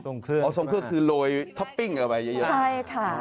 อ๋อทรงเครื่องคือโรยท็อปปิ้งออกไปเยอะ